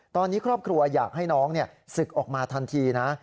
ตอนนี้ครอบครัวอยากให้น้องศึกออกมาทันทีนะ